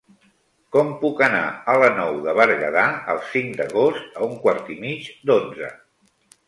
Com puc anar a la Nou de Berguedà el cinc d'agost a un quart i mig d'onze?